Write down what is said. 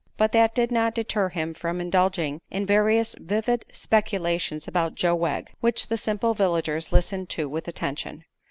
But that did not deter him from indulging in various vivid speculations about Joe Wegg, which the simple villagers listened to with attention.